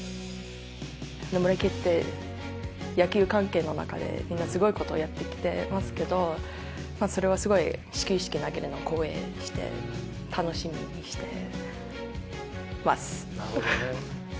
野村家って、野球関係の中で、みんなすごいことをやってきてますけど、それはすごい始球式投げるの光栄でして、なるほどね。